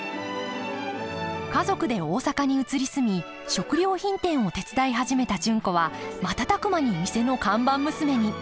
家族で大阪に移り住み食料品店を手伝い始めた純子は瞬く間に店の看板娘に。